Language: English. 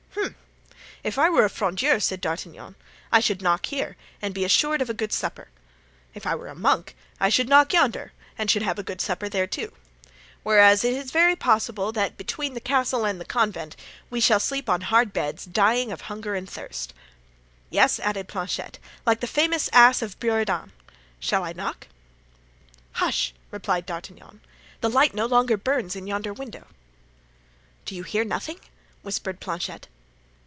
"Hem! If I were a 'Frondeur,'" said D'Artagnan, "I should knock here and should be sure of a good supper. If I were a monk I should knock yonder and should have a good supper there, too; whereas, 'tis very possible that between the castle and the convent we shall sleep on hard beds, dying with hunger and thirst." "Yes," added Planchet, "like the famous ass of Buridan. Shall I knock?" "Hush!" replied D'Artagnan; "the light no longer burns in yonder window." "Do you hear nothing?" whispered Planchet.